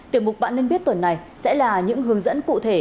tiểu mục bạn nên biết tuần này sẽ là những hướng dẫn cụ thể